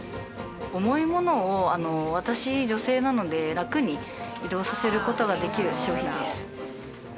重いものを私女性なので楽に移動させる事ができる商品です。